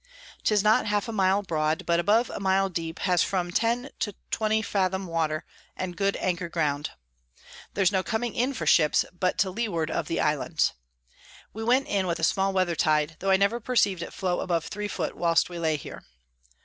'Tis not half a mile broad, but above a mile deep has from 10 to 20 fathom Water, and good Anchor ground: there's no coming in for Ships, but to Leeward of the Islands. We went in with a small Weather Tide, tho I never perceiv'd it flow above 3 foot whilst we lay here.